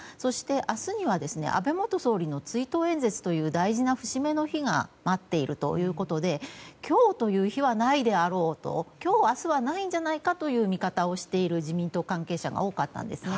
明日には安倍元総理の追悼演説という大事な節目の日が待っているということで今日という日はないであろうと今日明日はないんじゃないかという見方をしている自民党関係者が多かったんですね。